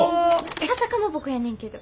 笹かまぼこやねんけど。